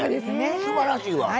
すばらしいわ！